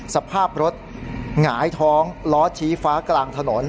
สภาพรถหงายท้องล้อชี้ฟ้ากลางถนน